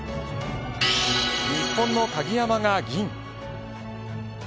日本の鍵山が銀。